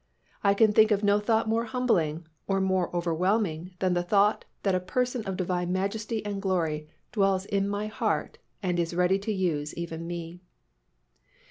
I can think of no thought more humbling or more overwhelming than the thought that a person of Divine majesty and glory dwells in my heart and is ready to use even me.